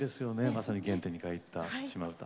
まさに原点に返った「島唄」。